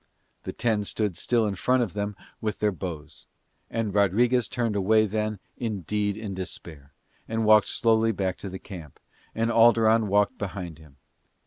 The ten still stood in front of them with their bows: and Rodriguez turned away then indeed in despair, and walked slowly back to the camp, and Alderon walked behind him.